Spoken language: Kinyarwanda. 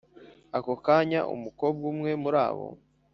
ako akanya umukobwa umwe murabo